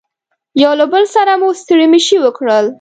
یو له بل سره مو ستړي مشي وکړل.